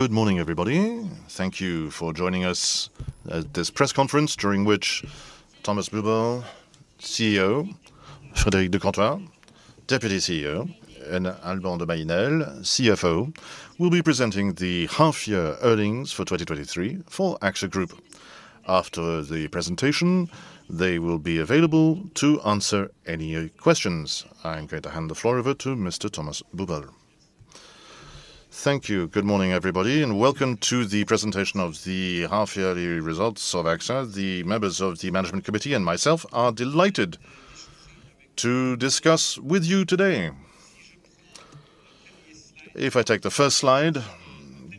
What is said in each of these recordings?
Good morning, everybody. Thank you for joining us at this press conference, during which Thomas Buberl, CEO, Frédéric de Courtois, Deputy CEO, and Alban de Mailly Nesle, CFO, will be presenting the half-year earnings for 2023 for AXA Group. After the presentation, they will be available to answer any questions. I'm going to hand the floor over to Mr. Thomas Buberl. Thank you. Good morning, everybody, welcome to the presentation of the half-yearly results of AXA. The members of the Management Committee and myself are delighted to discuss with you today. If I take the first slide,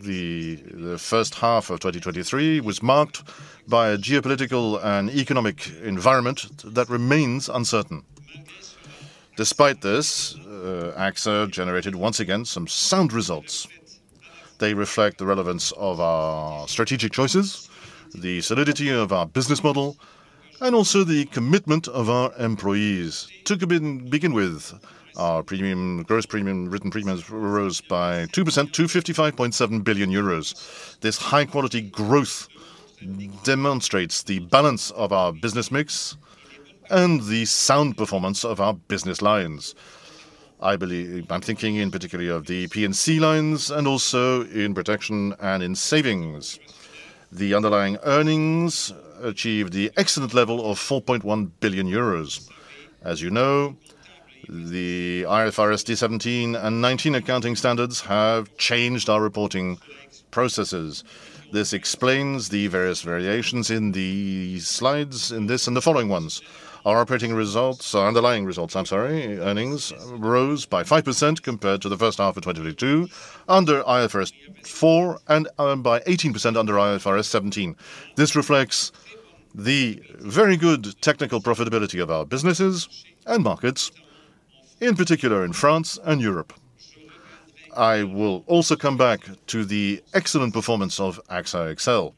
the first half of 2023 was marked by a geopolitical and economic environment that remains uncertain. Despite this, AXA generated, once again, some sound results. They reflect the relevance of our strategic choices, the solidity of our business model, and also the commitment of our employees. To begin, begin with, our premium, gross premium, written premiums rose by 2% to 55.7 billion euros. This high-quality growth demonstrates the balance of our business mix and the sound performance of our business lines. I believe, I'm thinking in particular of the P&C lines and also in protection and in savings. The underlying earnings achieved the excellent level of 4.1 billion euros. As you know, the IFRS 17 and 9 accounting standards have changed our reporting processes. This explains the various variations in the slides, in this and the following ones. Our operating results, our underlying results, I'm sorry, earnings, rose by 5% compared to the first half of 2022, under IFRS 4 and by 18% under IFRS 17. This reflects the very good technical profitability of our businesses and markets, in particular in France and Europe. I will also come back to the excellent performance of AXA XL.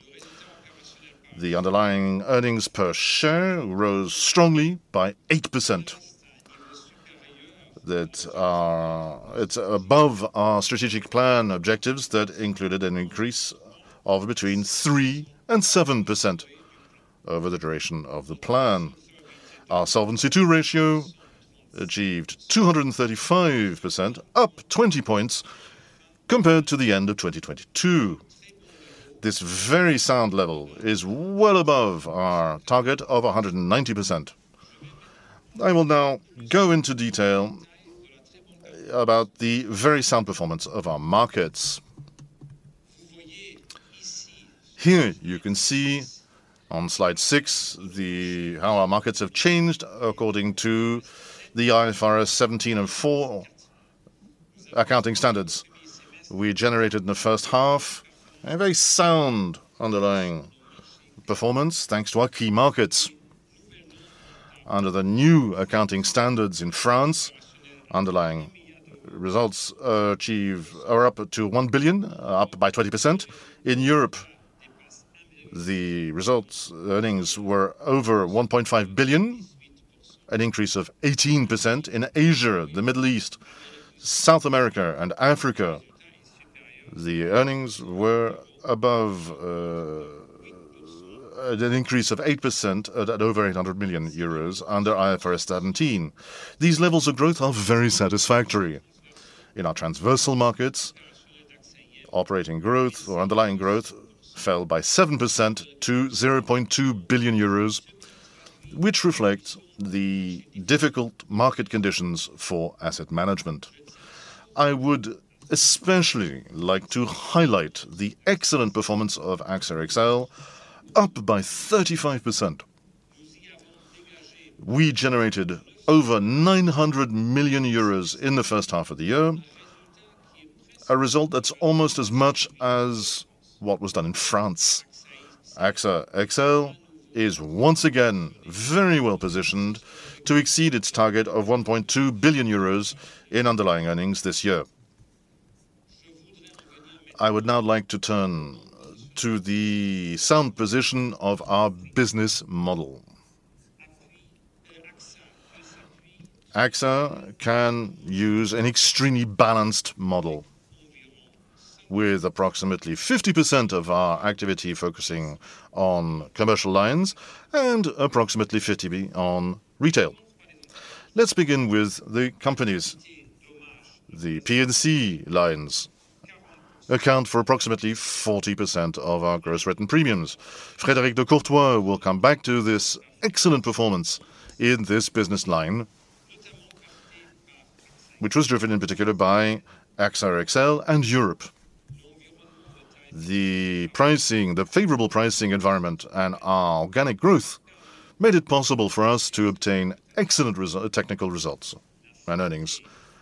The underlying earnings per share rose strongly by 8%. That, it's above our strategic plan objectives that included an increase of between 3% and 7% over the duration of the plan. Our Solvency II ratio achieved 235%, up 20 points compared to the end of 2022. This very sound level is well above our target of 190%. I will now go into detail about the very sound performance of our markets. Here, you can see on Slide 6, the how our markets have changed according to the IFRS 17 and four accounting standards. We generated in the first half, a very sound underlying performance, thanks to our key markets. Under the new accounting standards in France, underlying results are up to 1 billion, up by 20%. In Europe, the results earnings were over 1.5 billion, an increase of 18%. In Asia, the Middle East, South America, and Africa, the earnings were at an increase of 8% at over 800 million euros under IFRS 17. These levels of growth are very satisfactory. In our transversal markets, operating growth or underlying growth fell by 7% to 0.2 billion euros, which reflects the difficult market conditions for asset management. I would especially like to highlight the excellent performance of AXA XL, up by 35%. We generated over 900 million euros in the first half of the year, a result that's almost as much as what was done in France. AXA XL is once again very well positioned to exceed its target of 1.2 billion euros in underlying earnings this year. I would now like to turn to the sound position of our business model. AXA can use an extremely balanced model, with approximately 50% of our activity focusing on commercial lines and approximately 50 on retail. Let's begin with the companies. The P&C lines account for approximately 40% of our gross written premiums. Frédéric de Courtois will come back to this excellent performance in this business line, which was driven in particular by AXA XL and Europe. The pricing, the favorable pricing environment and our organic growth made it possible for us to obtain excellent technical results and earnings.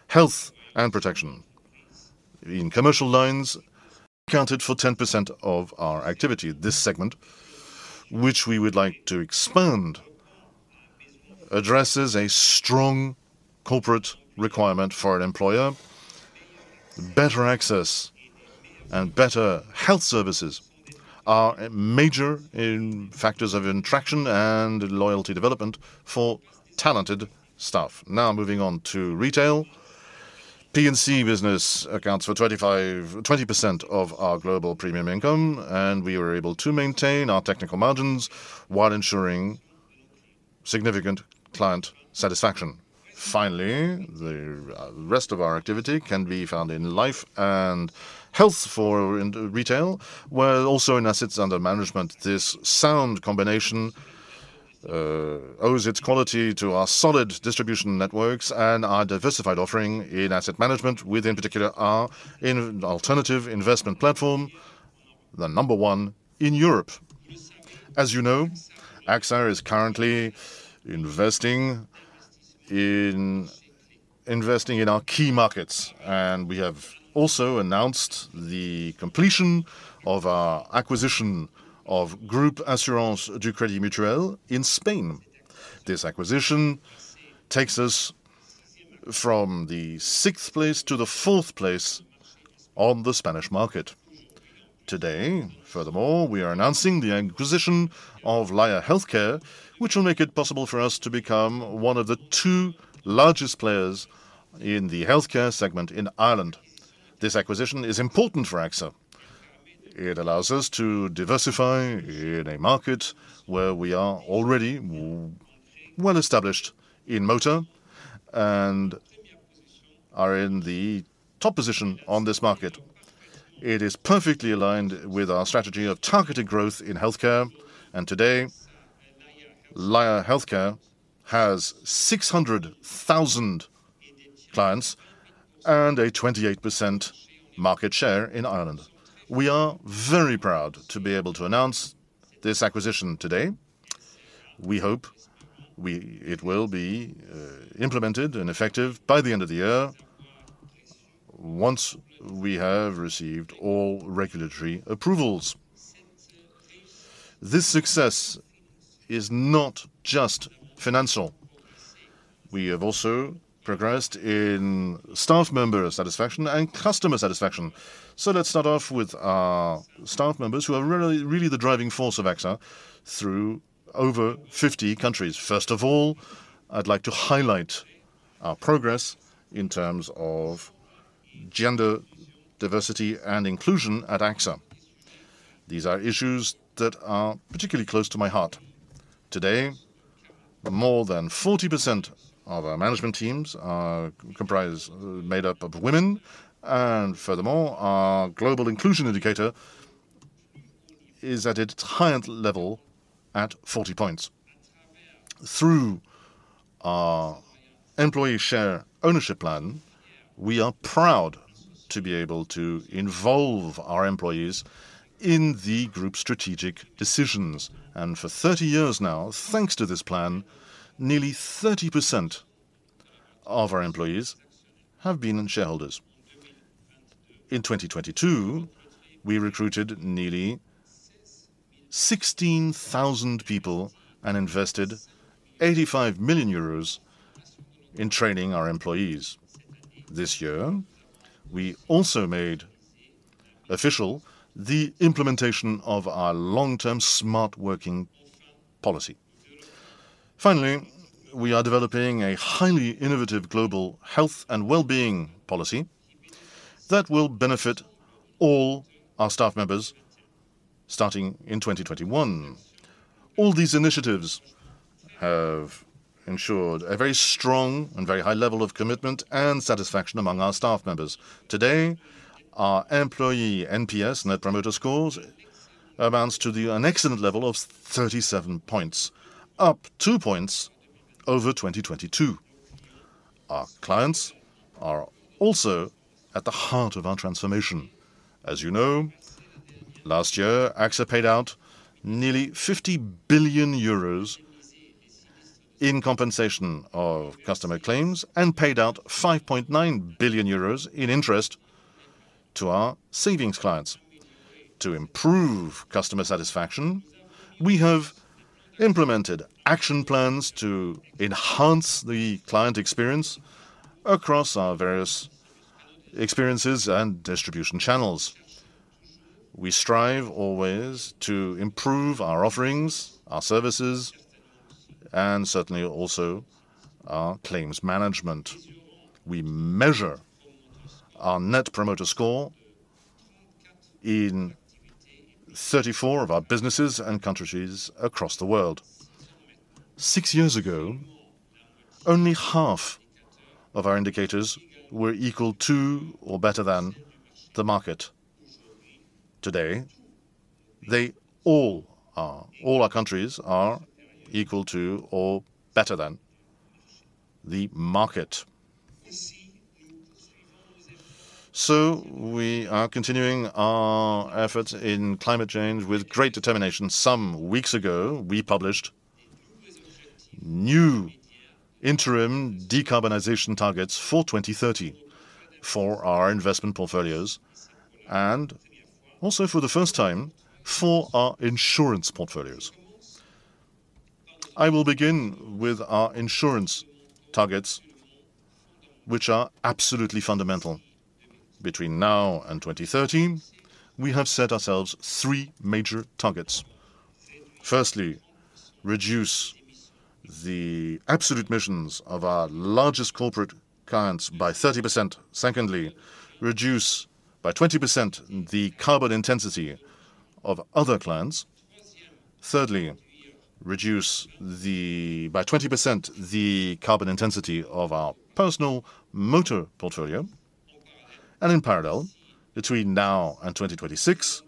Health and protection in commercial lines accounted for 10% of our activity. This segment, which we would like to expand, addresses a strong corporate requirement for an employer, better access, and better health services. are major factors of interaction and loyalty development for talented staff. Now, moving on to retail. P&C business accounts for 25, 20% of our global premium income, and we were able to maintain our technical margins while ensuring significant client satisfaction. Finally, the rest of our activity can be found in life and health for in retail, where also in assets under management, this sound combination owes its quality to our solid distribution networks and our diversified offering in asset management, with in particular our alternative investment platform, the number one in Europe. As you know, AXA is currently investing in, investing in our key markets, and we have also announced the completion of our acquisition of Grupo Asegurador de Crédito y Caución in Spain. This acquisition takes us from the 6th place to the 4th place on the Spanish market. Today, furthermore, we are announcing the acquisition of Laya Healthcare, which will make it possible for us to become one of the two largest players in the healthcare segment in Ireland. This acquisition is important for AXA. It allows us to diversify in a market where we are already well established in motor and are in the top position on this market. It is perfectly aligned with our strategy of targeted growth in healthcare, and today, Laya Healthcare has 600,000 clients and a 28% market share in Ireland. We are very proud to be able to announce this acquisition today. We hope it will be implemented and effective by the end of the year, once we have received all regulatory approvals. This success is not just financial. We have also progressed in staff member satisfaction and customer satisfaction. Let's start off with our staff members, who are really, really the driving force of AXA through over 50 countries. First of all, I'd like to highlight our progress in terms of gender diversity and inclusion at AXA. These are issues that are particularly close to my heart. Today, more than 40% of our management teams are comprised, made up of women, and furthermore, our global inclusion indicator is at its highest level at 40 points. Through our employee share ownership plan, we are proud to be able to involve our employees in the group's strategic decisions. For 30 years now, thanks to this plan, nearly 30% of our employees have been shareholders. In 2022, we recruited nearly 16,000 people and invested 85 million euros in training our employees. This year, we also made official the implementation of our long-term Smart Working policy. Finally, we are developing a highly innovative global health and wellbeing policy that will benefit all our staff members starting in 2021. All these initiatives have ensured a very strong and very high level of commitment and satisfaction among our staff members. Today, our employee NPS, Net Promoter Scores, amounts to an excellent level of 37 points, up 2 points over 2022. Our clients are also at the heart of our transformation. As you know, last year, AXA paid out nearly 50 billion euros in compensation of customer claims and paid out 5.9 billion euros in interest to our savings clients. To improve customer satisfaction, we have implemented action plans to enhance the client experience across our various experiences and distribution channels. We strive always to improve our offerings, our services, and certainly also our claims management. We measure our Net Promoter Score in 34 of our businesses and countries across the world. Six years ago, only half of our indicators were equal to or better than the market. Today, they all are. All our countries are equal to or better than the market. We are continuing our efforts in climate change with great determination. Some weeks ago, we published new interim decarbonization targets for 2030 for our investment portfolios and also, for the first time, for our insurance portfolios. I will begin with our insurance targets, which are absolutely fundamental. Between now and 2013, we have set ourselves three major targets. Firstly, reduce the absolute emissions of our largest corporate clients by 30%. Secondly, reduce by 20% the carbon intensity of other clients. Thirdly, reduce the, by 20%, the carbon intensity of our personal motor portfolio. In parallel, between now and 2026,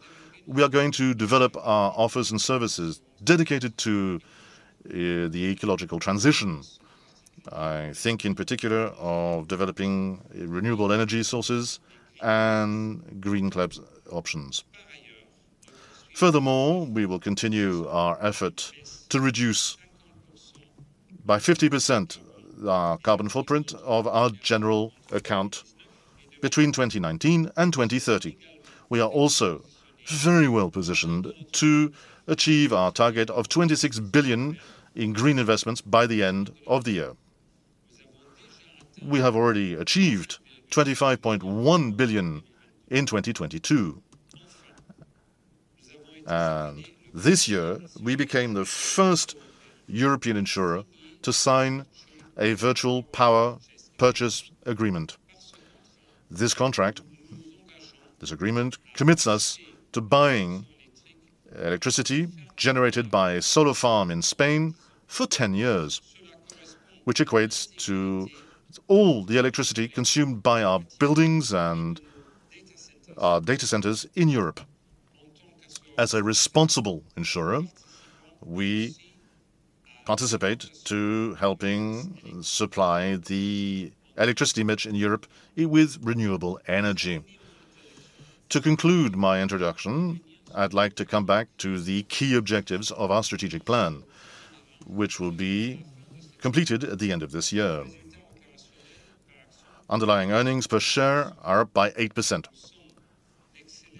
we are going to develop our offers and services dedicated to the ecological transition. I think in particular of developing renewable energy sources and green cloud options. Furthermore, we will continue our effort to reduce by 50% the carbon footprint of our General Account between 2019 and 2030. We are also very well positioned to achieve our target of 26 billion in green investments by the end of the year. We have already achieved 25.1 billion in 2022. This year, we became the first European insurer to sign a Virtual Power Purchase Agreement. This contract, this agreement, commits us to buying electricity generated by a solar farm in Spain for 10 years, which equates to all the electricity consumed by our buildings and our data centers in Europe. As a responsible insurer, we participate to helping supply the electricity mix in Europe with renewable energy. To conclude my introduction, I'd like to come back to the key objectives of our strategic plan, which will be completed at the end of this year. Underlying earnings per share are up by 8%.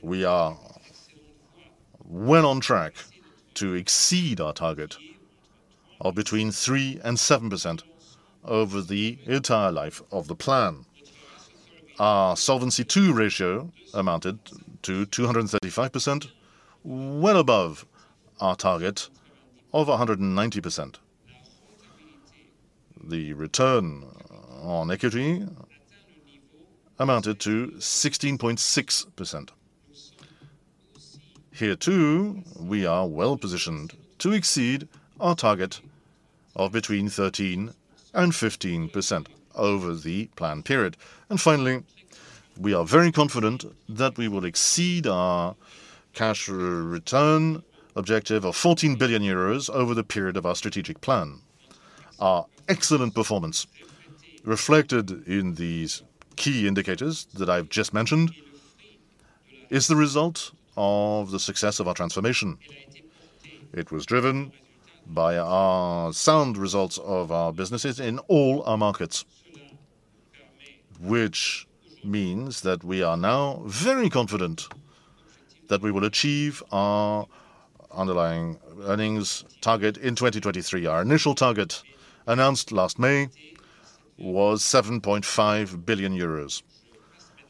We are well on track to exceed our target of between 3%-7% over the entire life of the plan. Our Solvency II ratio amounted to 235%, well above our target of 190%. The return on equity amounted to 16.6%. Here, too, we are well positioned to exceed our target of between 13%-15% over the plan period. Finally, we are very confident that we will exceed our cash return objective of 14 billion euros over the period of our strategic plan. Our excellent performance, reflected in these key indicators that I've just mentioned, is the result of the success of our transformation. It was driven by our sound results of our businesses in all our markets, which means that we are now very confident that we will achieve our underlying earnings target in 2023. Our initial target, announced last May, was 7.5 billion euros.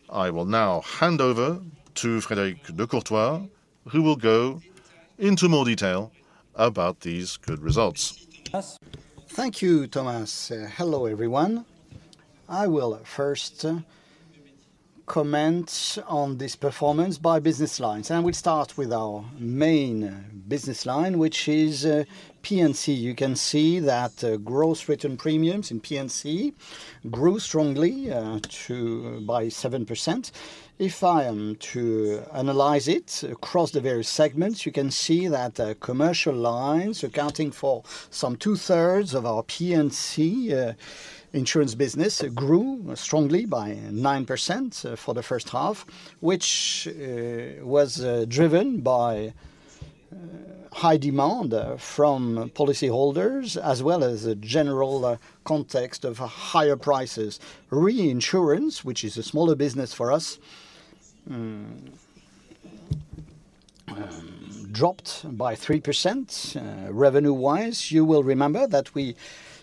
I will now hand over to Frédéric de Courtois, who will go into more detail about these good results. Thank you, Thomas. Hello, everyone. I will first comment on this performance by business lines, and we'll start with our main business line, which is P&C. You can see that gross written premiums in P&C grew strongly to by 7%. If I am to analyze it across the various segments, you can see that commercial lines, accounting for some two-thirds of our P&C insurance business, grew strongly by 9% for the 1st half. Which was driven by high demand from policyholders, as well as a general context of higher prices. Reinsurance, which is a smaller business for us, dropped by 3% revenue-wise. You will remember that we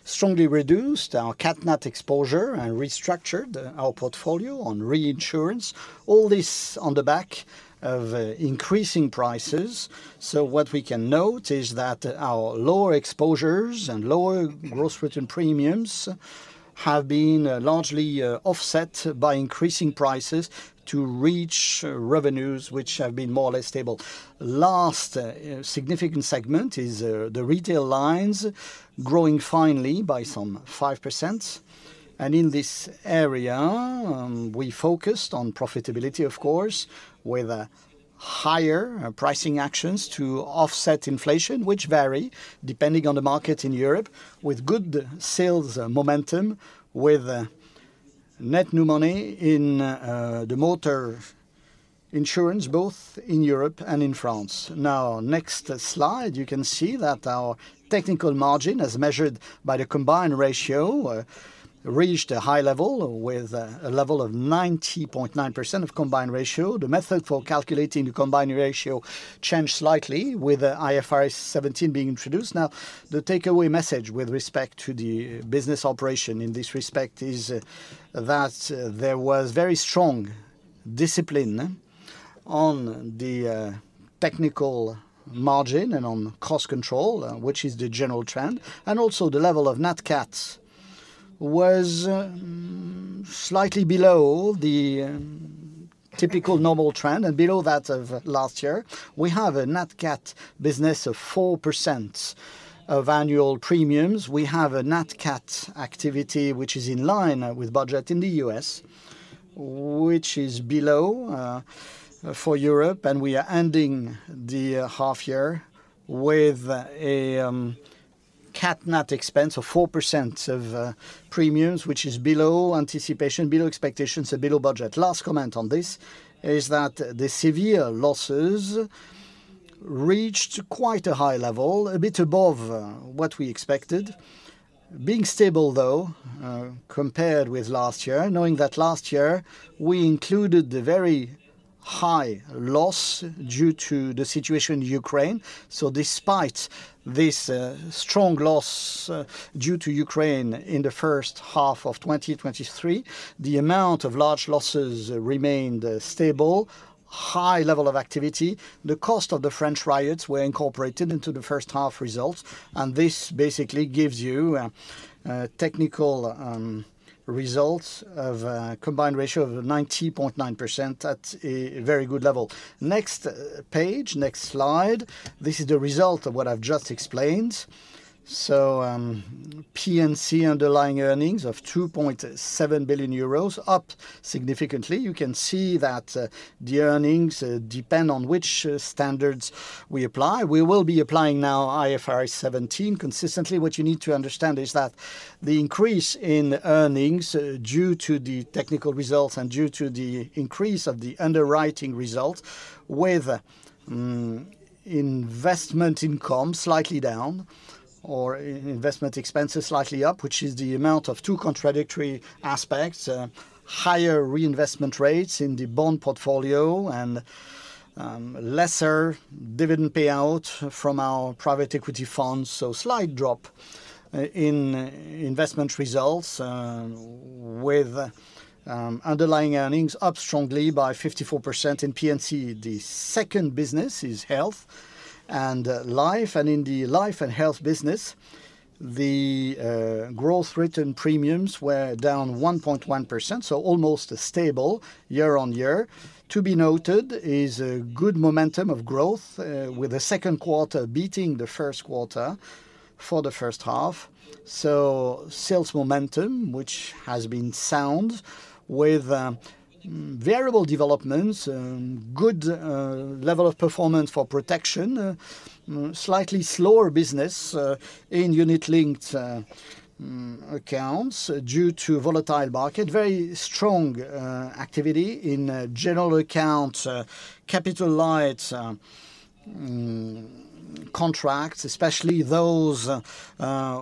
strongly reduced our cat net exposure and restructured our portfolio on reinsurance, all this on the back of increasing prices. What we can note is that our lower exposures and lower gross written premiums have been largely offset by increasing prices to reach revenues which have been more or less stable. Last significant segment is the retail lines growing finely by some 5%. In this area, we focused on profitability, of course, with a higher pricing actions to offset inflation, which vary depending on the market in Europe, with good sales momentum, with net new money in the motor insurance, both in Europe and in France. Next slide, you can see that our technical margin, as measured by the combined ratio, reached a high level with a level of 90.9% of combined ratio. The method for calculating the combined ratio changed slightly with IFRS 17 being introduced. The takeaway message with respect to the business operation in this respect is that there was very strong discipline on the technical margin and on cost control, which is the general trend, and also the level of nat cats was slightly below the typical normal trend and below that of last year. We have a nat cat business of 4% of annual premiums. We have a nat cat activity, which is in line with budget in the US, which is below for Europe, and we are ending the half year with a cat net expense of 4% of premiums, which is below anticipation, below expectations, and below budget. Last comment on this is that the severe losses reached quite a high level, a bit above what we expected. Being stable, though, compared with last year, knowing that last year we included the very high loss due to the situation in Ukraine. Despite this strong loss due to Ukraine in the first half of 2023, the amount of large losses remained stable, high level of activity. The cost of the French riots were incorporated into the first half results, this basically gives you technical results of combined ratio of 90.9%. That's a very good level. Next page, next slide. This is the result of what I've just explained. P&C underlying earnings of 2.7 billion euros, up significantly. You can see that the earnings depend on which standards we apply. We will be applying now IFRS 17 consistently. What you need to understand is that the increase in earnings due to the technical results and due to the increase of the underwriting results with investment income slightly down or investment expenses slightly up, which is the amount of two contradictory aspects, higher reinvestment rates in the bond portfolio and lesser dividend payout from our private equity funds. Slight drop in investment results with underlying earnings up strongly by 54% in P&C. The second business is health and life. In the life and health business, the growth written premiums were down 1.1%, so almost stable year-over-year. To be noted is a good momentum of growth with the second quarter beating the first quarter for the first half. Sales momentum, which has been sound with variable developments, good level of performance for protection, slightly slower business in unit-linked accounts due to volatile market. Very strong activity in General Account capital-light contracts, especially those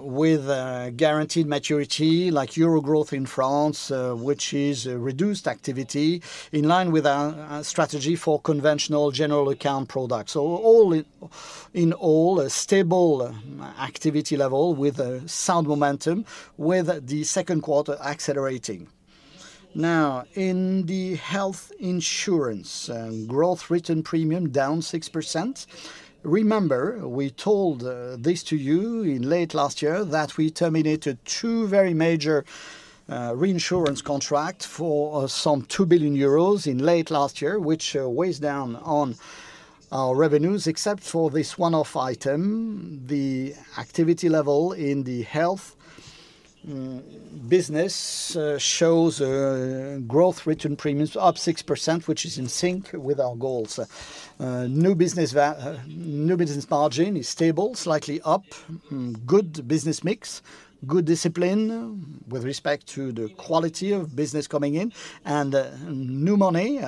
with guaranteed maturity, like Euro-croissance in France, which is a reduced activity in line with our strategy for conventional General Account products. All in, In all, a stable activity level with a sound momentum, with the second quarter accelerating. In the health insurance, growth written premium down 6%. Remember, we told this to you in late last year, that we terminated two very major reinsurance contract for some 2 billion euros in late last year, which weighs down on our revenues. Except for this one-off item, the activity level in the health business shows growth written premiums up 6%, which is in sync with our goals. New business margin is stable, slightly up. Good business mix, good discipline with respect to the quality of business coming in. New money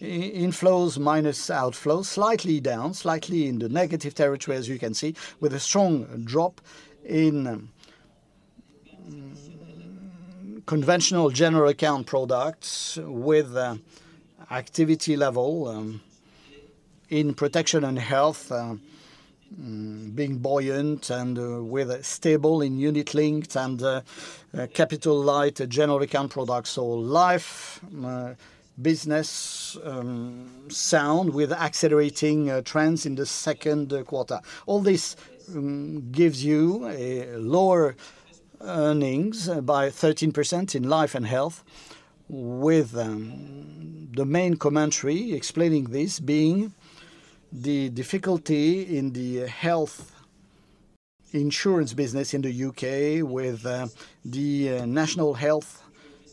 inflows minus outflows, slightly down, slightly in the negative territory, as you can see, with a strong drop in conventional General Account products, with activity level in protection and health being buoyant and with a stable in unit-linked and capital-light General Account products. Life business sound with accelerating trends in the second quarter. All this gives you a lower earnings by 13% in life and health, with the main commentary explaining this being the difficulty in the health insurance business in the UK, with the National Health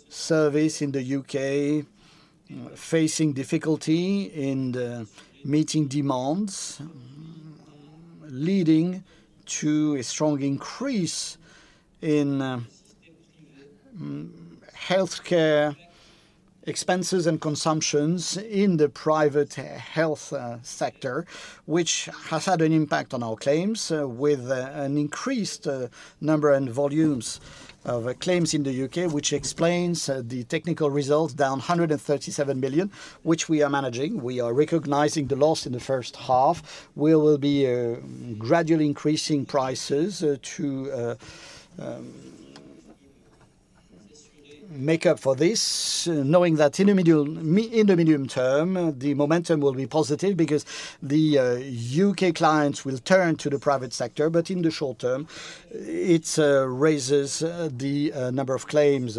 Service in the UK facing difficulty in meeting demands. leading to a strong increase in healthcare expenses and consumptions in the private health sector, which has had an impact on our claims, with an increased number and volumes of claims in the UK, which explains the technical results down 137 million, which we are managing. We are recognizing the loss in the first half. We will be gradually increasing prices to make up for this, knowing that in the medium term, the momentum will be positive because the UK clients will turn to the private sector. In the short term, it raises the number of claims.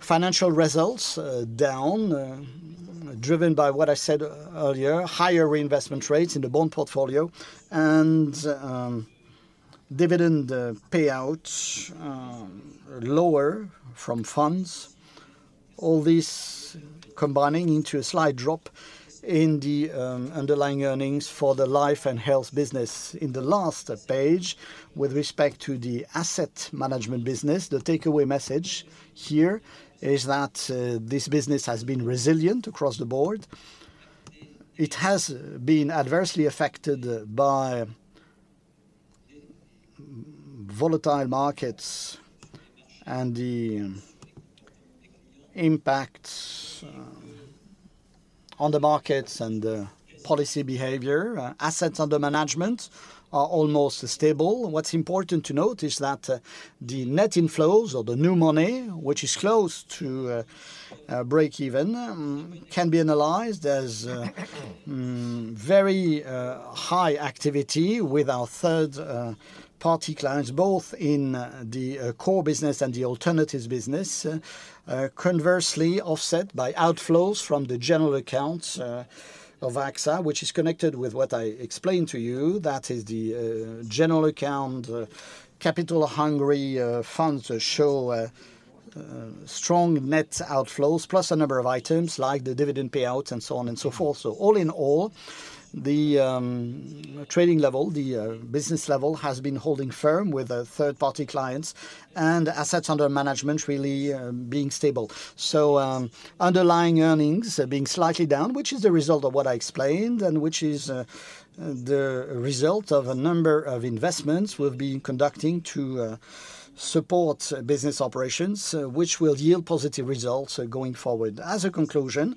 Financial results down, driven by what I said earlier, higher reinvestment rates in the bond portfolio and dividend payouts lower from funds. All these combining into a slight drop in the underlying earnings for the life and health business. In the last page, with respect to the asset management business, the takeaway message here is that this business has been resilient across the board. It has been adversely affected by volatile markets and the impacts on the markets and policy behavior. Assets under management are almost stable. What's important to note is that the net inflows or the new money, which is close to breakeven, can be analyzed as very high activity with our third-party clients, both in the core business and the alternatives business. Conversely, offset by outflows from the General Accounts of AXA, which is connected with what I explained to you, that is the General Account, capital-hungry funds show a strong net outflows, plus a number of items like the dividend payouts and so on and so forth. All in all, the trading level, the business level, has been holding firm with our third-party clients and assets under management really being stable. Underlying earnings are being slightly down, which is a result of what I explained, and which is the result of a number of investments we've been conducting to support business operations, which will yield positive results going forward. As a conclusion,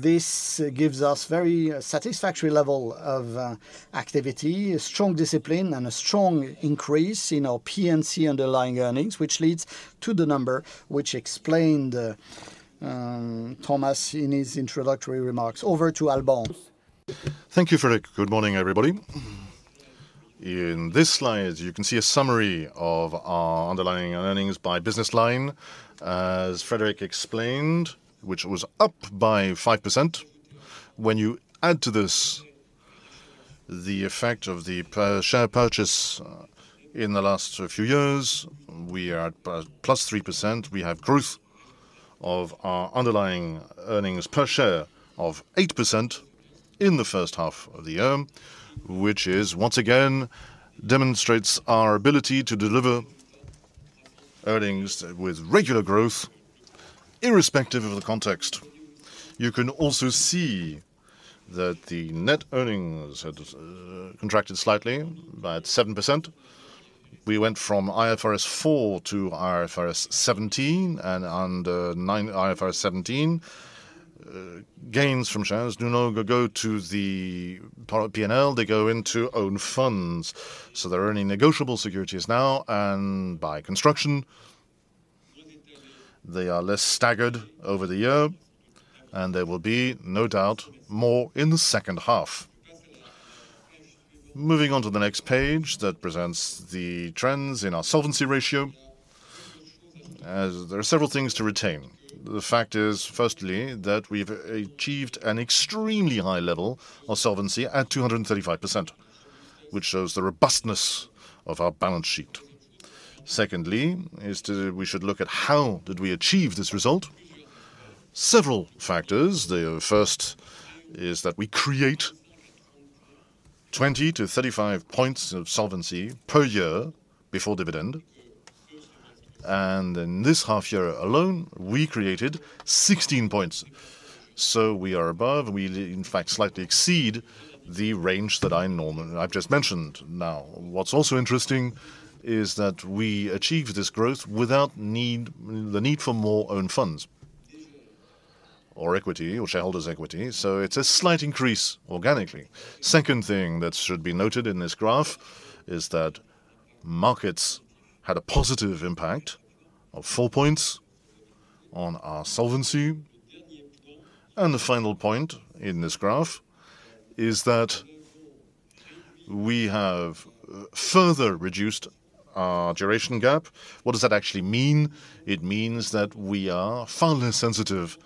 this gives us very satisfactory level of activity, a strong discipline, and a strong increase in our P&C underlying earnings, which leads to the number which explained Thomas in his introductory remarks. Over to Alban. Thank you, Frédéric. Good morning, everybody. In this slide, you can see a summary of our underlying earnings by business line, as Frédéric explained, which was up by 5%. When you add to this the effect of the share purchase, in the last few years, we are at plus 3%. We have growth of our underlying earnings per share of 8% in the first half of the year, which is, once again, demonstrates our ability to deliver earnings with regular growth, irrespective of the context. You can also see that the net earnings have contracted slightly by 7%. We went from IFRS 4 to IFRS 17, and under nine IFRS 17, gains from shares no longer go to the part of P&L, they go into own funds. They're earning negotiable securities now, and by construction, they are less staggered over the year, and there will be, no doubt, more in the second half. Moving on to the next page that presents the trends in our solvency ratio, as there are several things to retain. The fact is, firstly, that we've achieved an extremely high level of solvency at 235%, which shows the robustness of our balance sheet. Secondly, is we should look at how did we achieve this result? Several factors. The first is that we create 20-35 points of solvency per year before dividend, and in this half year alone, we created 16 points. We are above, we in fact, slightly exceed the range that I've just mentioned. Now, what's also interesting is that we achieved this growth without need, the need for more own funds or equity or shareholders' equity, so it's a slight increase organically. Second thing that should be noted in this graph is that markets had a positive impact of 4 points on our solvency. The final point in this graph is that we have further reduced our duration gap. What does that actually mean? It means that we are far less sensitive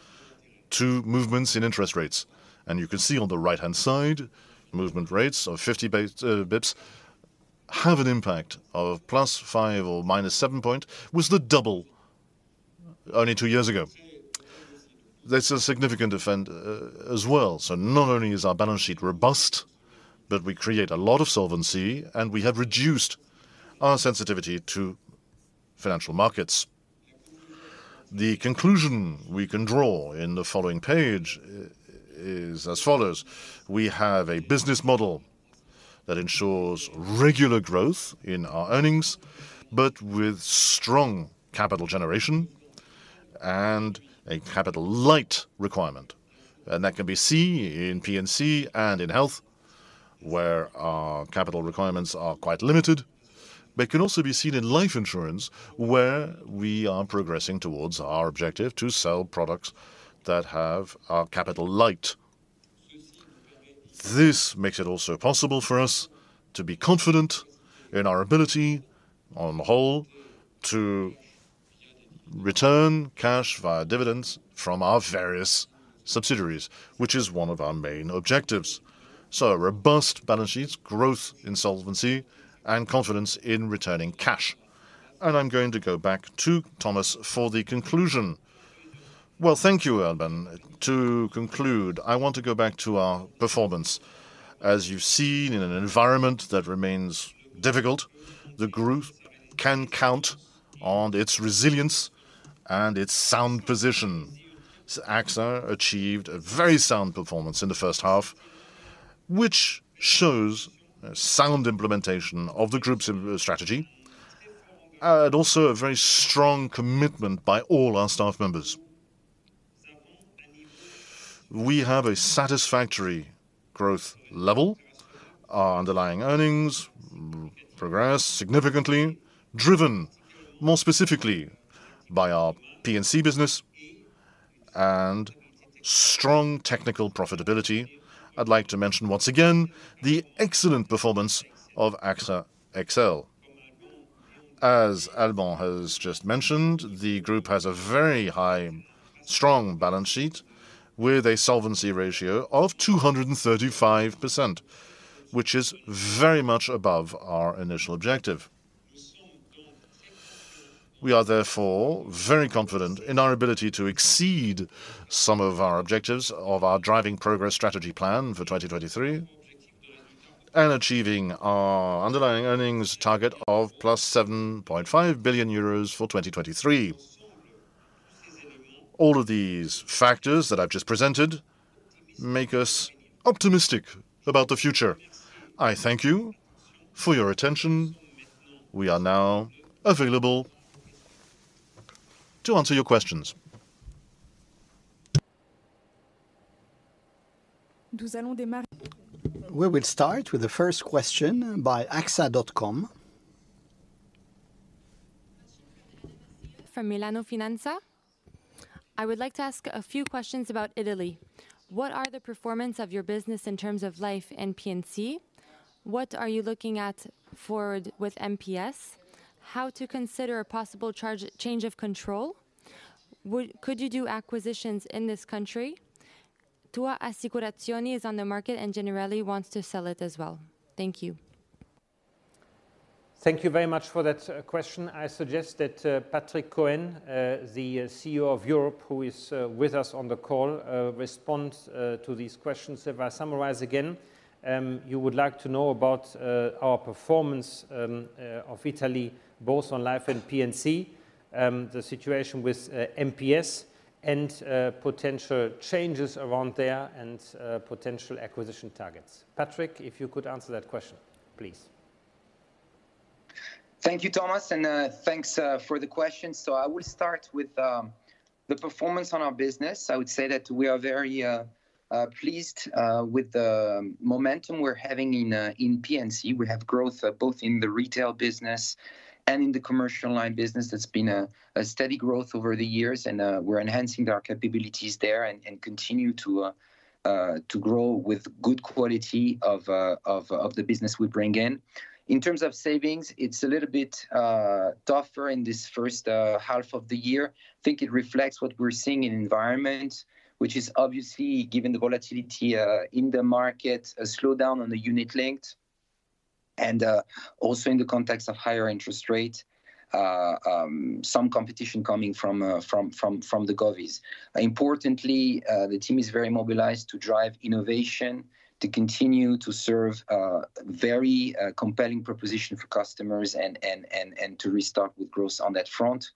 to movements in interest rates. You can see on the right-hand side, movement rates of 50 basis points have an impact of +5 or -7 point, was the double only two years ago. That's a significant event as well. Not only is our balance sheet robust, but we create a lot of solvency, and we have reduced our sensitivity to financial markets. The conclusion we can draw in the following page, is as follows: We have a business model that ensures regular growth in our earnings, but with strong capital generation and a capital-light requirement. That can be seen in P&C and in health, where our capital requirements are quite limited. It can also be seen in life insurance, where we are progressing towards our objective to sell products that are capital-light. This makes it also possible for us to be confident in our ability, on the whole, to return cash via dividends from our various subsidiaries, which is one of our main objectives. A robust balance sheets, growth in solvency, and confidence in returning cash. I'm going to go back to Thomas for the conclusion. Well, thank you, Alban. To conclude, I want to go back to our performance. You've seen, in an environment that remains difficult, the group can count on its resilience and its sound position. AXA achieved a very sound performance in the first half, which shows a sound implementation of the group's strategy, and also a very strong commitment by all our staff members. We have a satisfactory growth level. Our underlying earnings progress significantly, driven more specifically by our P&C business and strong technical profitability. I'd like to mention once again, the excellent performance of AXA XL. As Alban has just mentioned, the group has a very high, strong balance sheet with a solvency ratio of 235%, which is very much above our initial objective. We are therefore very confident in our ability to exceed some of our objectives of our Driving Progress strategy plan for 2023, and achieving our underlying earnings target of + 7.5 billion euros for 2023. All of these factors that I've just presented make us optimistic about the future. I thank you for your attention. We are now available to answer your questions. We will start with the first question by axa.com. From Milano Finanza. I would like to ask a few questions about Italy. What are the performance of your business in terms of life and P&C? What are you looking at forward with MPS? How to consider a possible charge, change of control? Could you do acquisitions in this country? Tua Assicurazioni is on the market, Generali wants to sell it as well. Thank you. Thank you very much for that question. I suggest that Patrick Cohen, the CEO of Europe, who is with us on the call, respond to these questions. If I summarize again, you would like to know about our performance of Italy, both on life and P&C, the situation with MPS, and potential changes around there and potential acquisition targets. Patrick, if you could answer that question, please. Thank you, Thomas, and thanks for the question. I will start with the performance on our business. I would say that we are very pleased with the momentum we're having in P&C. We have growth both in the retail business and in the commercial line business. That's been a steady growth over the years, and we're enhancing our capabilities there and continue to grow with good quality of the business we bring in. In terms of savings, it's a little bit tougher in this first half of the year. I think it reflects what we're seeing in environment, which is obviously, given the volatility in the market, a slowdown on the unit-linked, and also in the context of higher interest rates, some competition coming from, from, from, from the govies. Importantly, the team is very mobilized to drive innovation, to continue to serve a very compelling proposition for customers and, and, and, and to restart with growth on that front.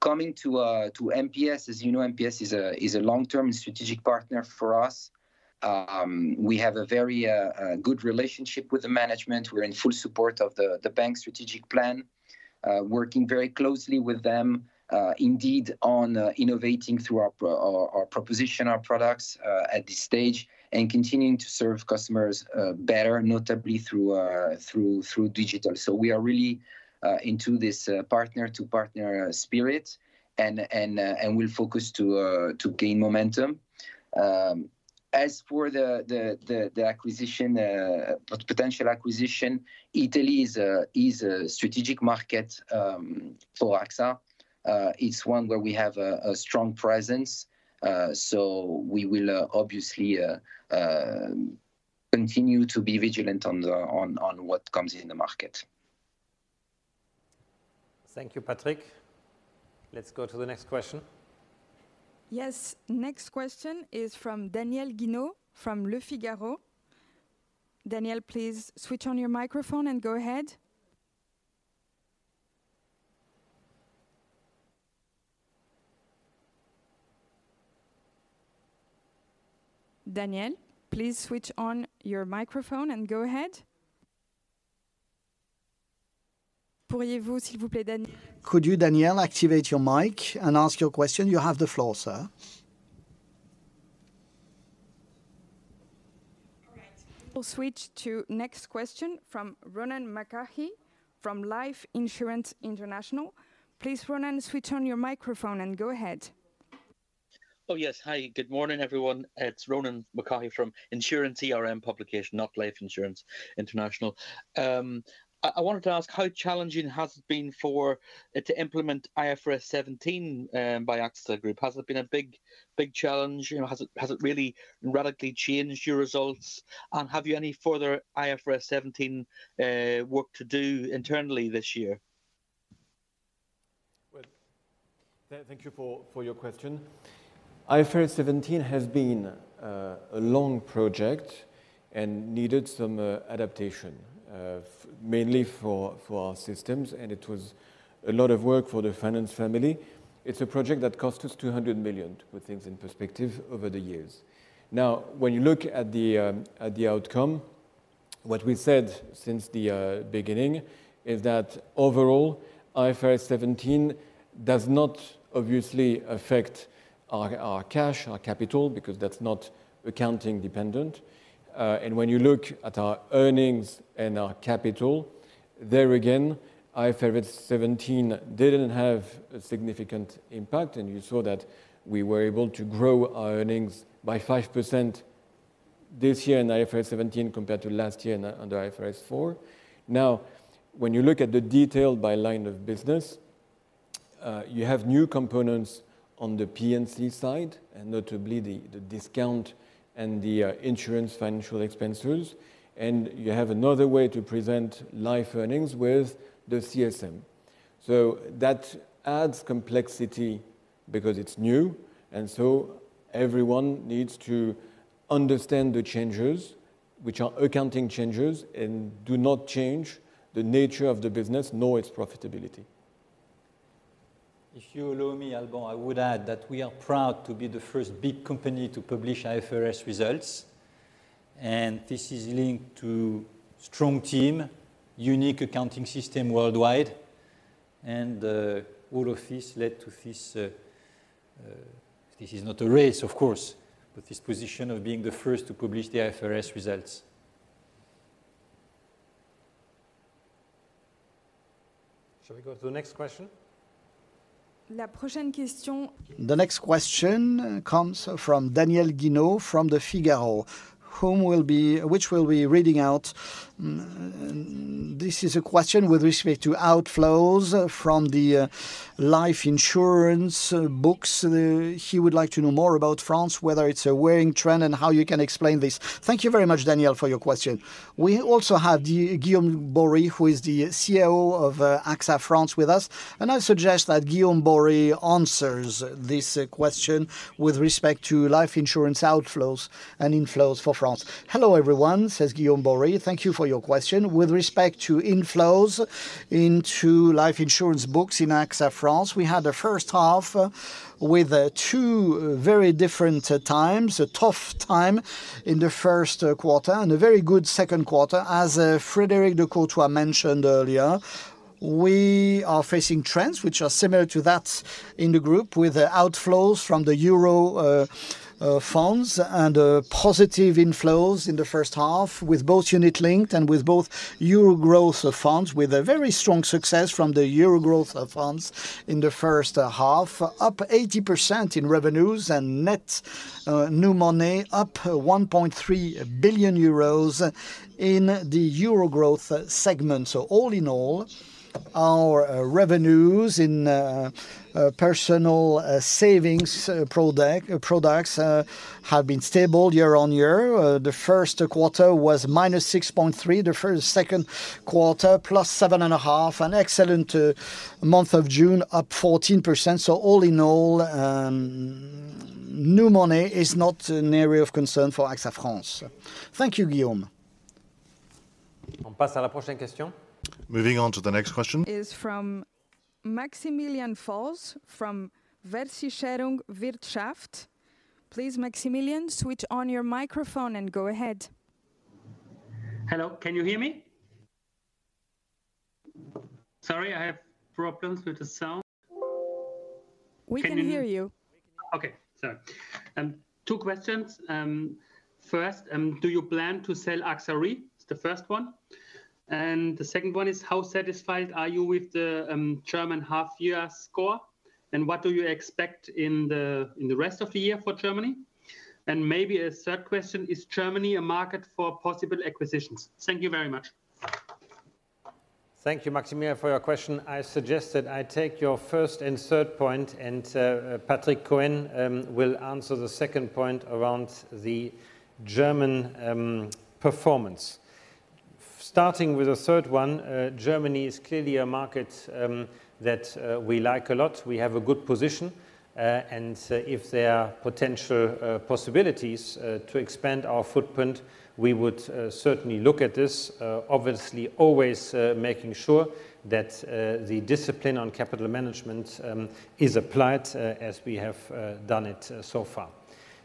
Coming to MPS, as you know, MPS is a long-term strategic partner for us. We have a very good relationship with the management. We're in full support of the, the bank's strategic plan, working very closely with them, indeed, on innovating through our, our proposition, our products, at this stage, and continuing to serve customers, better, notably through our, through, through digital. We are really into this partner-to-partner spirit, and, and, and we'll focus to to gain momentum. As for the, the, the, the acquisition, potential acquisition, Italy is a, is a strategic market, for AXA. It's one where we have a, a strong presence, so we will, obviously continue to be vigilant on what comes in the market. Thank you, Patrick. Let's go to the next question. Yes, next question is from Daniel Guénot from Le Figaro. Daniel, please switch on your microphone and go ahead. Daniel, please switch on your microphone and go ahead. Could you, Daniel, activate your mic and ask your question? You have the floor, sir. All right. We'll switch to next question from Ronan McCaughey from Life Insurance International. Please, Ronan, switch on your microphone and go ahead. Oh, yes. Hi, good morning, everyone. It's Ronan McCaughey from InsuranceERM publication, not Life Insurance International. I, I wanted to ask how challenging has it been for to implement IFRS 17 by AXA Group? Has it been a big, big challenge? You know, has it, has it really radically changed your results, and have you any further IFRS 17 work to do internally this year? Well, thank you for, for your question. IFRS 17 has been a long project and needed some adaptation, mainly for our systems, and it was a lot of work for the finance family. It's a project that cost us 200 million, to put things in perspective, over the years. When you look at the outcome, what we said since the beginning is that overall, IFRS 17 does not obviously affect our cash, our capital, because that's not accounting dependent. When you look at our earnings and our capital, there again, IFRS 17 didn't have a significant impact, and you saw that we were able to grow our earnings by 5% this year in IFRS 17 compared to last year under IFRS 4. When you look at the detail by line of business, you have new components on the P&C side, and notably the, the discount and the insurance financial expenses. You have another way to present life earnings with the CSM. That adds complexity because it's new, and so everyone needs to understand the changes, which are accounting changes, and do not change the nature of the business nor its profitability. If you allow me, Alban, I would add that we are proud to be the first big company to publish IFRS results. This is linked to strong team, unique accounting system worldwide. All of this led to this. This is not a race, of course, but this position of being the first to publish the IFRS results. Shall we go to the next question? La prochaine question- The next question comes from Daniel Guénot from Le Figaro, which we'll be reading out. This is a question with respect to outflows from the life insurance books. He would like to know more about France, whether it's a worrying trend and how you can explain this. Thank you very much, Daniel, for your question. We also have Guillaume Borie, who is the CEO of AXA France with us. I suggest that Guillaume Borie answers this question with respect to life insurance outflows and inflows for France. "Hello, everyone," says Guillaume Borie. "Thank you for your question. With respect to inflows into life insurance books in AXA France, we had a first half with two very different times. A tough time in the first quarter and a very good second quarter. As Frédéric de Courtois mentioned earlier, we are facing trends which are similar to that in the group, with outflows from the Euro funds and positive inflows in the first half, with both unit-linked and with both Euro growth of funds, with a very strong success from the Euro growth of funds in the first half, up 80% in revenues and net new money, up 1.3 billion euros in the Euro growth segment. All in all, our revenues in personal savings products have been stable year-on-year. The first quarter was -6.3, the second quarter, +7.5. An excellent month of June, up 14%. All in all, new money is not an area of concern for AXA France." Thank you, Guillaume. Moving on to the next question. Is from Maximilian Volz from Versicherungswirtschaft. Please, Maximilian, switch on your microphone and go ahead. Hello, can you hear me? Sorry, I have problems with the sound. We can hear you. Okay, sorry. 2 questions. First, do you plan to sell AXA Re? It's the first one. The second one is, how satisfied are you with the German half year score, and what do you expect in the rest of the year for Germany? Maybe a third question, is Germany a market for possible acquisitions? Thank you very much. Thank you, Maximilian, for your question. I suggest that I take your first and third point, and Patrick Cohen will answer the second point around the German performance. Starting with the third one, Germany is clearly a market that we like a lot. We have a good position, and if there are potential possibilities to expand our footprint, we would certainly look at this, obviously, always making sure that the discipline on capital management is applied as we have done it so far.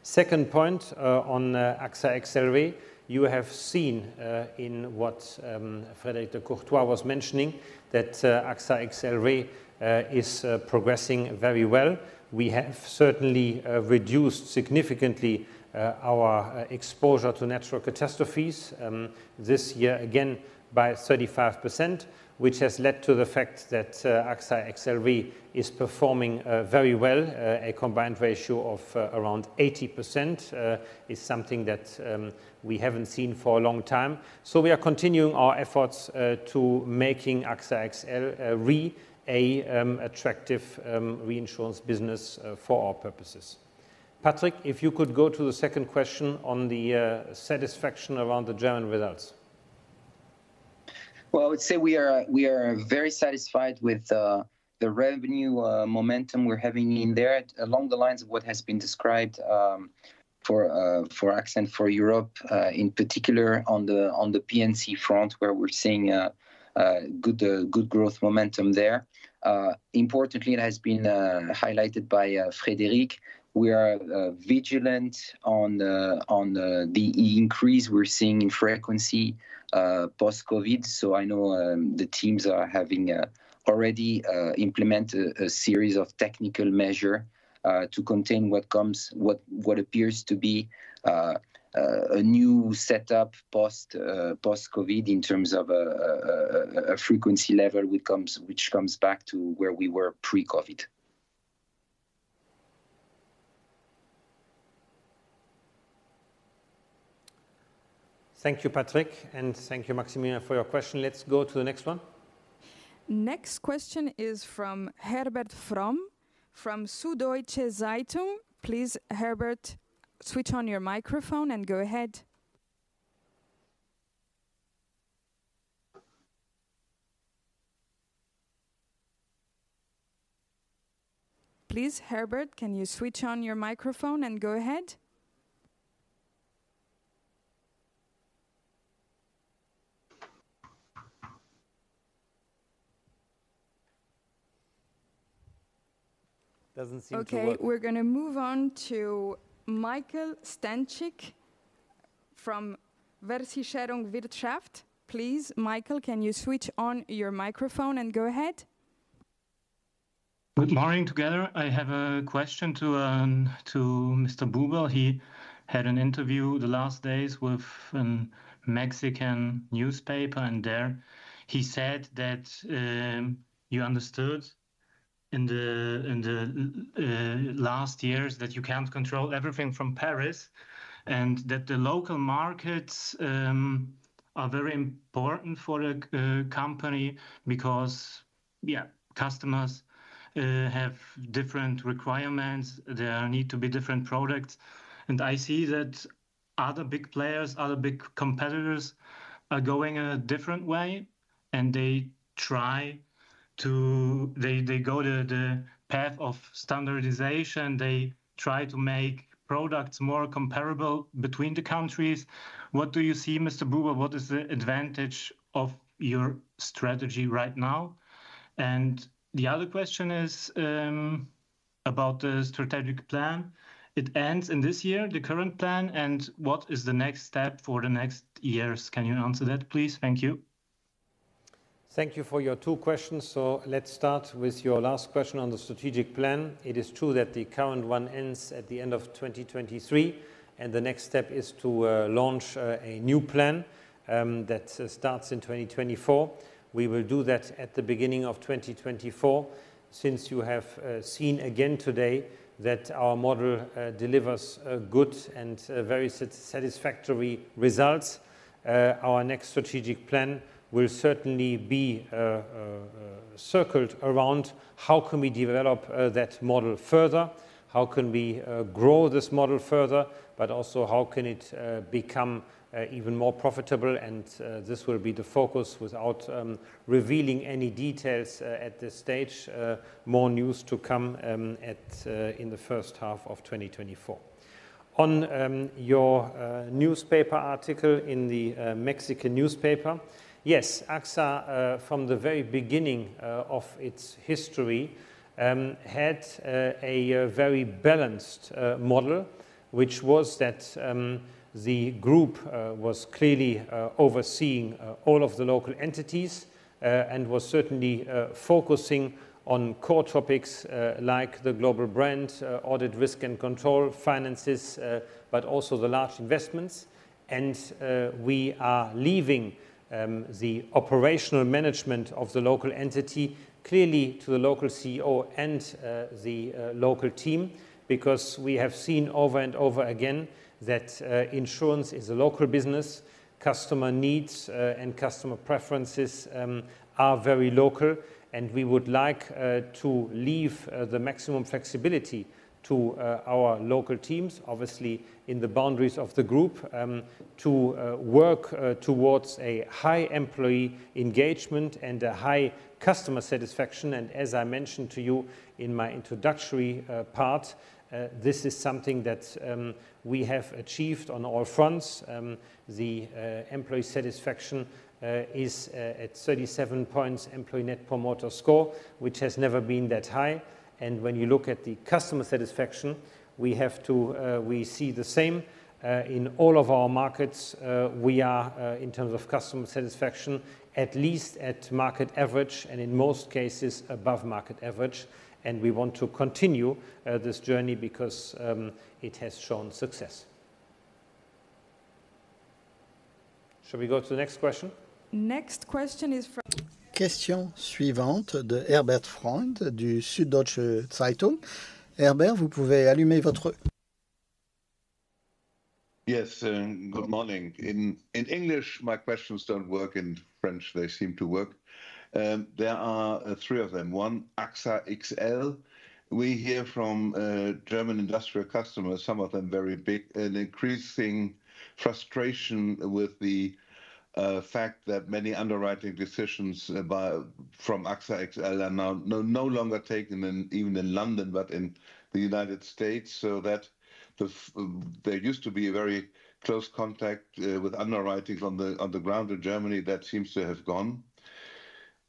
Second point, on AXA XL Re, you have seen in what Frédéric de Courtois was mentioning, that AXA XL Re is progressing very well. We have certainly reduced significantly our exposure to natural catastrophes this year again by 35%, which has led to the fact that AXA XL Re is performing very well. A combined ratio of around 80% is something that we haven't seen for a long time. We are continuing our efforts to making AXA XL Re a attractive reinsurance business for our purposes. Patrick, if you could go to the second question on the satisfaction around the German results. Well, I would say we are, we are very satisfied with the revenue momentum we're having in there. Along the lines of what has been described for AXA and for Europe in particular, on the on the P&C front, where we're seeing good good growth momentum there. Importantly, it has been highlighted by Frédéric, we are vigilant on the on the increase we're seeing in frequency post-COVID. I know the teams are having already implemented a series of technical measure to contain what, what appears to be a new setup post post-COVID in terms of a frequency level, which comes, which comes back to where we were pre-COVID. Thank you, Patrick, and thank you, Maximilian, for your question. Let's go to the next one. Next question is from Herbert Fromme, from Süddeutsche Zeitung. Please, Herbert, switch on your microphone and go ahead. Please, Herbert, can you switch on your microphone and go ahead? Doesn't seem to work. Okay, we're going to move on to Michael Stanczyk from WirtschaftsWoche. Please, Michael, can you switch on your microphone and go ahead? Good morning together. I have a question to Mr. Buberl. He had an interview the last days with a Mexican newspaper. There he said that you understood in the last years that you can't control everything from Paris, that the local markets are very important for a company because, yeah, customers have different requirements. There need to be different products. I see that other big players, other big competitors are going a different way, and they try to. They go the path of standardization. They try to make products more comparable between the countries. What do you see, Mr. Buberl? What is the advantage of your strategy right now? The other question is about the strategic plan. It ends in this year, the current plan. What is the next step for the next years? Can you answer that, please? Thank you. Thank you for your two questions. Let's start with your last question on the strategic plan. It is true that the current one ends at the end of 2023, and the next step is to launch a new plan that starts in 2024. We will do that at the beginning of 2024. Since you have seen again today that our model delivers good and very sat-satisfactory results, our next strategic plan will certainly be circled around: How can we develop that model further? How can we grow this model further? Also, how can it become even more profitable? This will be the focus without revealing any details at this stage. More news to come in the first half of 2024. On your newspaper article in the Mexican newspaper. Yes, AXA from the very beginning of its history had a very balanced model, which was that the group was clearly overseeing all of the local entities and was certainly focusing on core topics like the global brand, audit, risk and control, finances, but also the large investments. We are leaving the operational management of the local entity clearly to the local CEO and the local team, because we have seen over and over again that insurance is a local business. Customer needs and customer preferences are very local, and we would like to leave the maximum flexibility. to our local teams, obviously, in the boundaries of the group, to work towards a high employee engagement and a high customer satisfaction. As I mentioned to you in my introductory part, this is something that we have achieved on all fronts. The employee satisfaction is at 37 points employee Net Promoter Score, which has never been that high. When you look at the customer satisfaction, we have to, we see the same. In all of our markets, we are in terms of customer satisfaction, at least at market average, and in most cases, above market average. We want to continue this journey because it has shown success. Shall we go to the next question? Next question is from. Question suivante de Herbert Fromme du Süddeutsche Zeitung. Herbert, vous pouvez allumer votre- Yes, good morning. In, in English, my questions don't work, in French, they seem to work. There are 3 of them. 1, AXA XL. We hear from German industrial customers, some of them very big, an increasing frustration with the fact that many underwriting decisions from AXA XL are now no longer taken in, even in London, but in the United States. That there used to be a very close contact with underwriting on the, on the ground in Germany. That seems to have gone.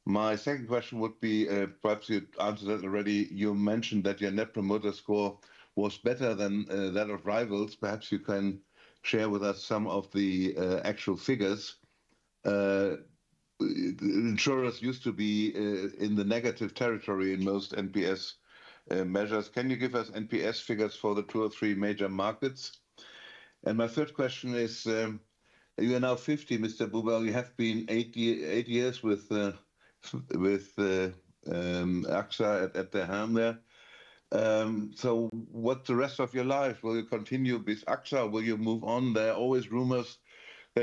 My 2nd question would be, perhaps you answered that already. You mentioned that your Net Promoter Score was better than that of rivals. Perhaps you can share with us some of the actual figures. Insurers used to be in the negative territory in most NPS measures. Can you give us NPS figures for the two or three major markets? My third question is, you are now 50, Mr. Buberl. You have been eight years with AXA at the helm there. What the rest of your life, will you continue with AXA? Will you move on? There are always rumors that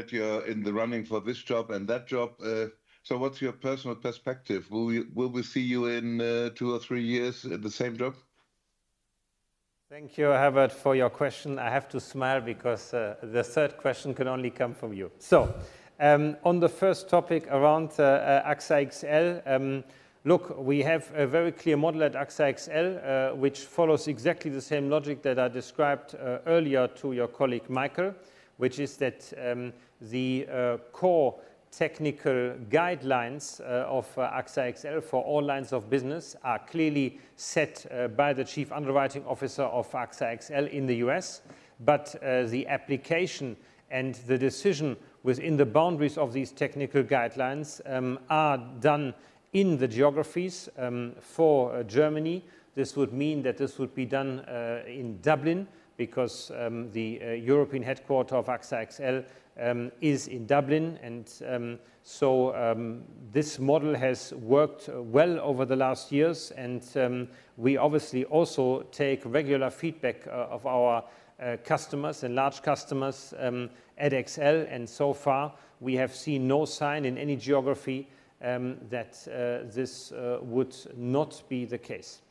you're in the running for this job and that job. What's your personal perspective? Will we, will we see you in two or three years at the same job? Thank you, Herbert, for your question. I have to smile because the third question can only come from you. On the first topic around AXA XL, look, we have a very clear model at AXA XL, which follows exactly the same logic that I described earlier to your colleague, Michael. Which is that the core technical guidelines of AXA XL for all lines of business are clearly set by the Chief Underwriting Officer of AXA XL in the U.S. The application and the decision within the boundaries of these technical guidelines are done in the geographies for Germany. This would mean that this would be done in Dublin because the European headquarter of AXA XL is in Dublin. This model has worked well over the last years, we obviously also take regular feedback of our customers and large customers at XL. So far, we have seen no sign in any geography that this would not be the case.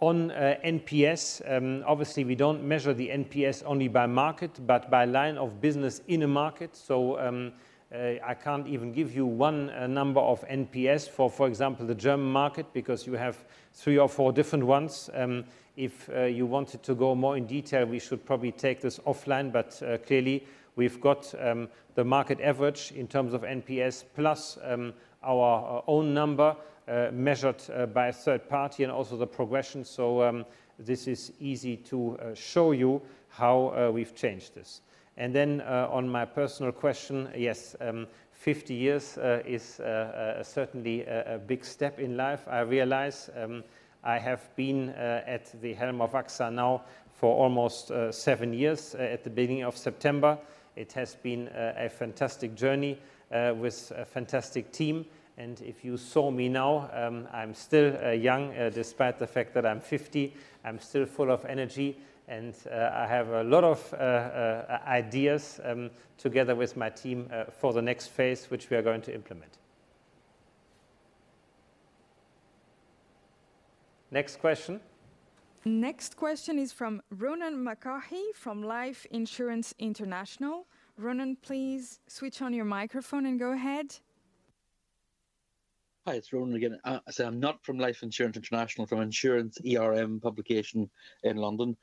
NPS, obviously, we don't measure the NPS only by market, but by line of business in a market. I can't even give you 1 number of NPS for, for example, the German market, because you have 3 or 4 different ones. If you wanted to go more in detail, we should probably take this offline, clearly, we've got the market average in terms of NPS, plus our own number measured by a third party, and also the progression. This is easy to show you how we've changed this. Then, on my personal question, yes, 50 years is certainly a big step in life. I realize, I have been at the helm of AXA now for almost seven years, at the beginning of September. It has been a fantastic journey with a fantastic team. If you saw me now, I'm still young, despite the fact that I'm 50. I'm still full of energy, and I have a lot of ideas together with my team for the next phase, which we are going to implement. Next question? Next question is from Ronan McCaughey, from Life Insurance International. Ronan, please switch on your microphone and go ahead. Hi, it's Ronan again. I'm not from Life Insurance International, from InsuranceERM publication in London.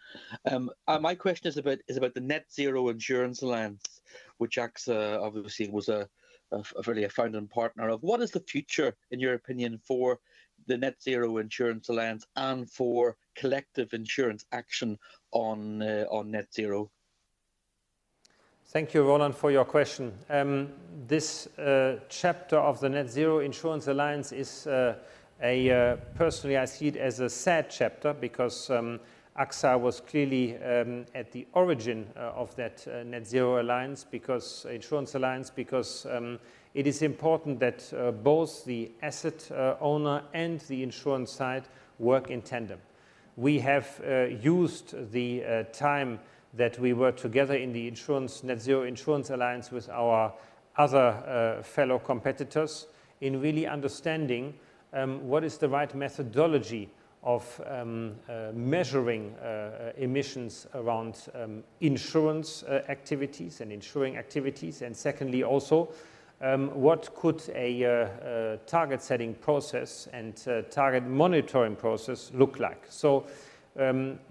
My question is about the Net-Zero Insurance Alliance, which AXA, obviously, was really a founding partner of. What is the future, in your opinion, for the Net-Zero Insurance Alliance and for collective insurance action on Net Zero? Thank you, Ronan, for your question. This chapter of the Net-Zero Insurance Alliance is. I personally, I see it as a sad chapter because AXA was clearly at the origin of that Net-Zero Alliance, because insurance alliance, because it is important that both the asset owner and the insurance side work in tandem. We have used the time that we were together in the insurance, Net-Zero Insurance Alliance with our other fellow competitors in really understanding what is the right methodology of measuring emissions around insurance activities and insuring activities. Secondly, also, what could a target setting process and a target monitoring process look like?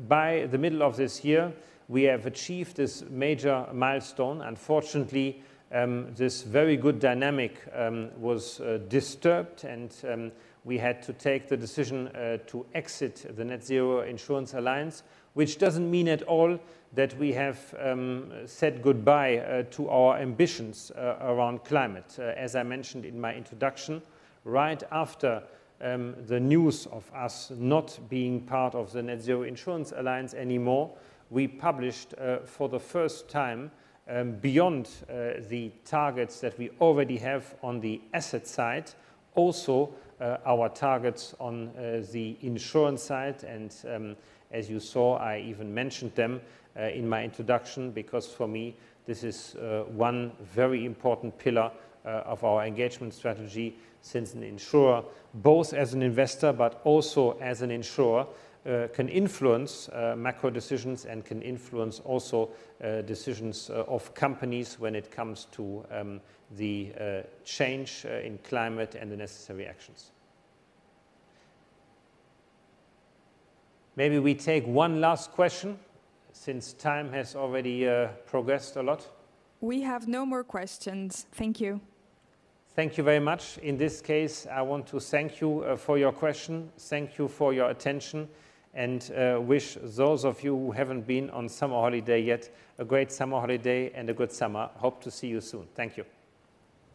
By the middle of this year, we have achieved this major milestone. Unfortunately, this very good dynamic was disturbed, and we had to take the decision to exit the Net-Zero Insurance Alliance, which doesn't mean at all that we have said goodbye to our ambitions around climate. As I mentioned in my introduction, right after the news of us not being part of the Net-Zero Insurance Alliance anymore, we published for the first time, beyond the targets that we already have on the asset side, also, our targets on the insurance side. As you saw, I even mentioned them in my introduction, because for me, this is one very important pillar of our engagement strategy, since an insurer, both as an investor but also as an insurer, can influence macro decisions and can influence also decisions of companies when it comes to the change in climate and the necessary actions. Maybe we take one last question since time has already progressed a lot. We have no more questions. Thank you. Thank you very much. In this case, I want to thank you, for your question. Thank you for your attention and, wish those of you who haven't been on summer holiday yet, a great summer holiday and a good summer. Hope to see you soon. Thank you.